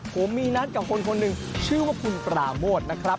ผมมีนัดกับคนคนหนึ่งชื่อว่าคุณปราโมทนะครับ